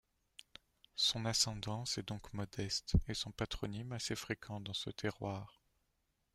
Son ascendance est donc modeste, et son patronyme assez fréquent dans ce terroir.